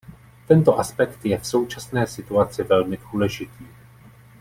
Tento aspekt je v současné situaci velmi důležitý.